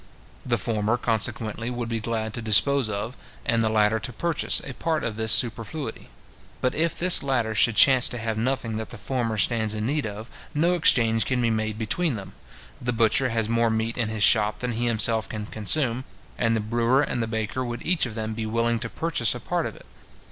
The former, consequently, would be glad to dispose of; and the latter to purchase, a part of this superfluity. But if this latter should chance to have nothing that the former stands in need of, no exchange can be made between them. The butcher has more meat in his shop than he himself can consume, and the brewer and the baker would each of them be willing to purchase a part of it.